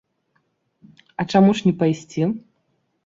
А чаму ж не пайсці?